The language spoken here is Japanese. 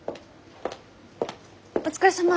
お疲れさま。